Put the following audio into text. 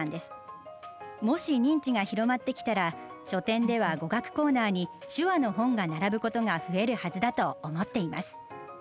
もし、認知が広まってきたら書店では語学コーナーに手話の本が並ぶことが増えるはずだと思っています。